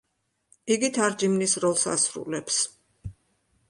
იგი თარჯიმნის როლს ასრულებს.